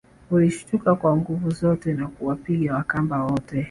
Alishtuka kwa nguvu zote na kuwapiga Wakamba wote